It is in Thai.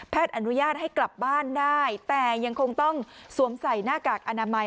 อนุญาตให้กลับบ้านได้แต่ยังคงต้องสวมใส่หน้ากากอนามัย